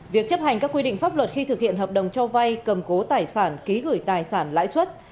việc chấp hành các quy định pháp luật khi thực hiện hợp đồng cho vay cầm cố tài sản ký gửi tài sản lãi suất